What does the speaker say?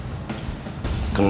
kenapa andis bisa ngasih izinnya